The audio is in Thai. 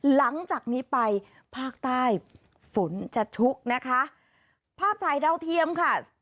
หลังจากนี้ไปภาคใต้ฝนจะชุกนะคะภาพถ่ายดาวเทียมค่ะ